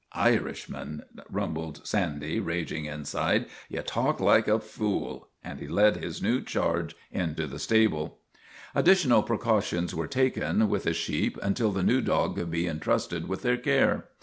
' Irishman," rumbled Sandy, raging inside, ' ye talk like a fule," and he led his new charge into the stable. Additional precautions were taken with the sheep until the new dog could be intrusted with their care.